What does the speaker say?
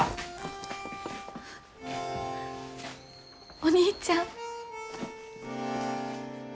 お兄ちゃん。